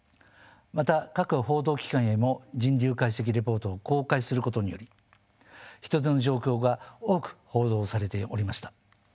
また各報道機関へも人流解析レポートを公開することにより人出の状況が多く報道されておりました。